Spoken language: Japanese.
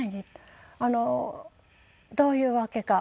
あのどういうわけか